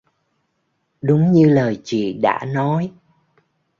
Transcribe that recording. Đúng như lời chị đã nói